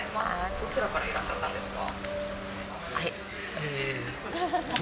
どちらからいらっしゃったんですか？